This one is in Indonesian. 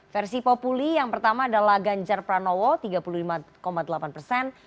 versi populi yang pertama adalah ganjar pranowo tiga puluh lima delapan persen